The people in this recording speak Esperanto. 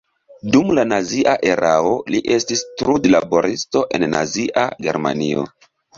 Dum la nazia erao li estis trudlaboristo en Nazia Germanio.